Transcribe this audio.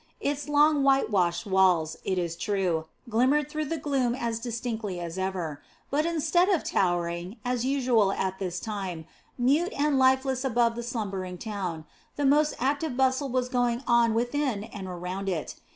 Its long white washed walls, it is true, glimmered through the gloom as distinctly as ever, but instead of towering as usual at this time mute and lifeless above the slumbering town the most active bustle was going on within and around it.